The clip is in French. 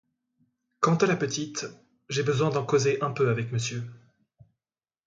Quant à la petite, j'ai besoin d'en causer un peu avec monsieur.